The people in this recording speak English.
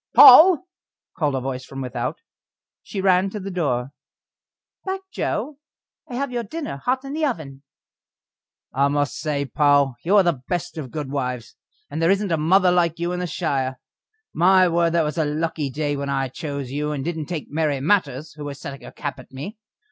"Poll!" called a voice from without; she ran to the door. "Back, Joe! I have your dinner hot in the oven." "I must say, Poll, you are the best of good wives, and there isn't a mother like you in the shire. My word! that was a lucky day when I chose you, and didn't take Mary Matters, who was setting her cap at me.